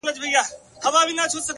o نو شاعري څه كوي ـ